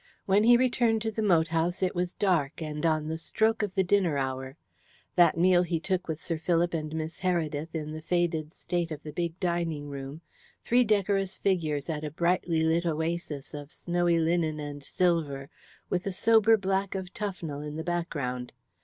When he returned to the moat house it was dark, and on the stroke of the dinner hour. That meal he took with Sir Philip and Miss Heredith in the faded state of the big dining room three decorous figures at a brightly lit oasis of snowy linen and silver, with the sober black of Tufnell in the background.